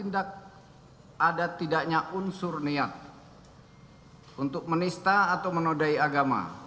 dan ada tidaknya unsur niat untuk menista atau menodai agama